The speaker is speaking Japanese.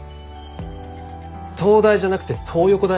東大じゃなくて東横大な。